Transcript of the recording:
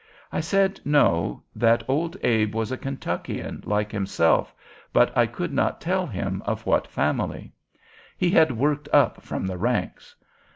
I said no, that Old Abe was a Kentuckian like himself, but I could not tell him of what family; he had worked up from the ranks.